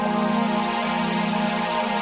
tidak ada apa apa